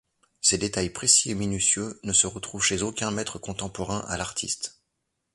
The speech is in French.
Ces détails précis et minutieux ne se retrouvent chez aucun maître contemporain à l'artiste.